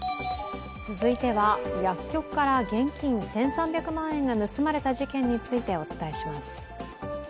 薬局から現金１３００万円が盗まれた事件についてお伝えします。